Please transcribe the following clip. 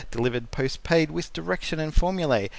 Delivered postpaid with Direction and Formulae.